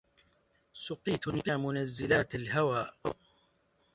سقيتن يا منزلات الهوى